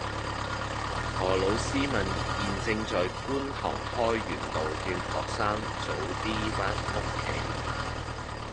何老師問現正在觀塘開源道勸學生早啲返屋企